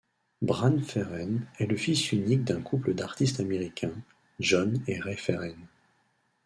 Bran Ferren est le fils unique d'un couple d'artistes américains, John et Rae Ferren.